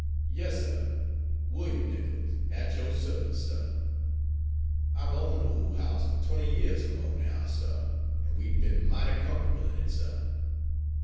"Yes, suh, William Nichols, at yo' service, suh. I've own' de ole house fer twenty yeahs or mo' now, suh, an' we've b'en mighty comfo'table in it, suh.